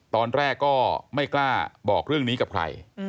ตอนแรกก็ไม่กล้าบอกเรื่องนี้กับใคร